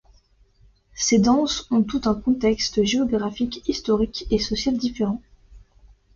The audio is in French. Ces danses ont toutes un contexte géographique, historique et social différent.